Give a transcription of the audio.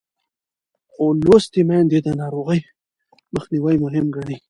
لوستې میندې د ناروغۍ مخنیوی مهم ګڼي.